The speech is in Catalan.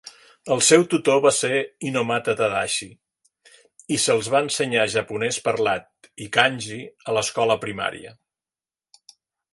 El seu tutor va ser Inomata Tadashi, i se'ls va ensenyar japonès parlat i kanji a l'escola primària.